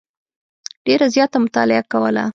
ډېره زیاته مطالعه کوله.